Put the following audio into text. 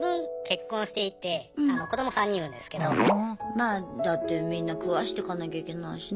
まあだってみんな食わしてかなきゃいけないしね。